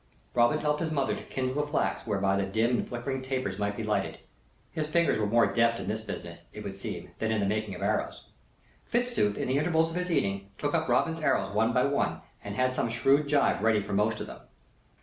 Robin helped his mother to kindle the flax whereby the dim and flickering tapers might be lighted. His fingers were more deft at this business, it would seem, than in the making of arrows. Fitzooth, in the intervals of his eating, took up Robin's arrows one by one and had some shrewd gibe ready for most of them.